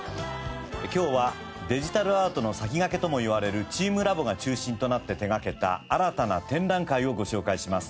今日はデジタルアートの先駆けともいわれるチームラボが中心となって手掛けた新たな展覧会をご紹介します。